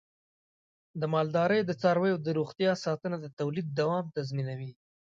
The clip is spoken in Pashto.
د مالدارۍ د څارویو د روغتیا ساتنه د تولید دوام تضمینوي.